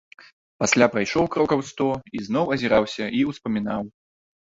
Пасля прайшоў крокаў сто і зноў азіраўся і ўспамінаў.